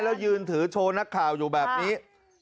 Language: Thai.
แล้วยืนถือโชว์นักข่าวอยู่แบบนี้